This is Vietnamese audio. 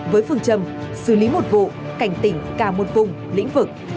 với phương châm xử lý một vụ cảnh tỉnh cả một vùng lĩnh vực